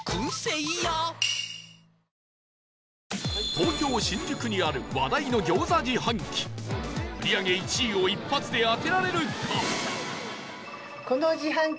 東京新宿にある話題の餃子自販機売り上げ１位を一発で当てられるか？